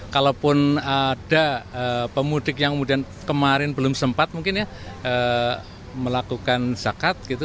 kalaupun ada pemudik yang kemarin belum sempat melakukan zakat